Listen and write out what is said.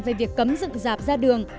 về việc cấm dựng giảp ra đường